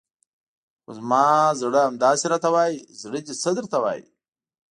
خو زما زړه همداسې راته وایي، زړه دې څه درته وایي؟